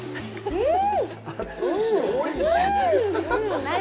うん。